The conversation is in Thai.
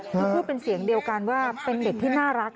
คือพูดเป็นเสียงเดียวกันว่าเป็นเด็กที่น่ารัก